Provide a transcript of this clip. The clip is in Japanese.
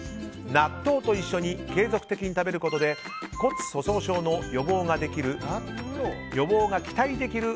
納豆と一緒に継続的に食べることで骨粗しょう症の予防が期待できる